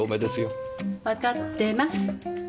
わかってます。